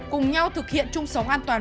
cùng nhau thực hiện chung sống an toàn